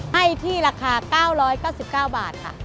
ให้ที่ราคา๙๙๙บาทค่ะ